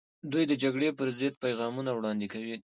دوی د جګړې پر ضد پیغامونه وړاندې کول.